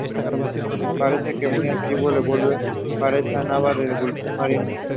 Parece que de muy antiguo le viene a Paredes de Nava la devoción mariana.